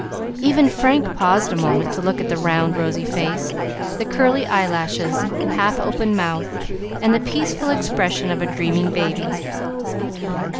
Even Frank paused a moment to look at the round, rosy face, the curly eyelashes, half open mouth, and the peaceful expression of a dreaming baby.